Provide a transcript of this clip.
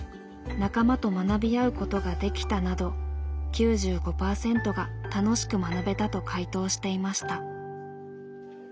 「仲間と学び合うことができた」など９５％が「楽しく学べた」と回答していました。